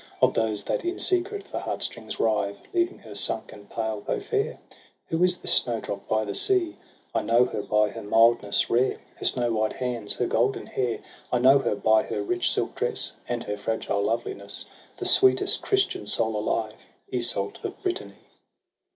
Of those that in secret the heart strings rive, Leaving her sunk and pale, though fair. * Who is this snowdrop by the sea? — I know her by her mildness rare, Her snow white hands, her golden hair; TRISTRAM AND ISEULT. 193 I know her by her rich silk dress, And her fragile loveliness — The sweetest Christian soul alive, Iseult of Brittany.